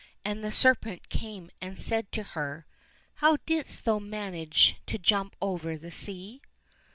And the serpent came and said to her, " How didst thou manage to jump over the sea